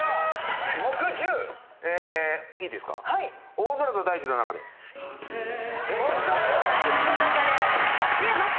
『大空と大地の中で』正解。